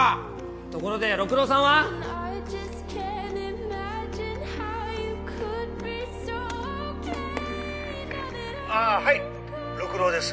ところで六郎さんは？あはい六郎です！